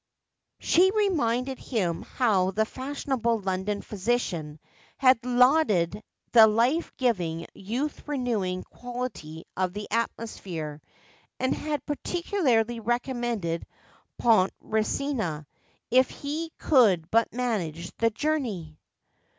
She reminded him how the fashionable London physician had lauded the life giving, youth renewing quality of the atmosphere, and had particularly recommended Pontresina, if he could but manage the journey.